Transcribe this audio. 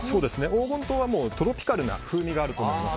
黄金桃はトロピカルな風味があると思います。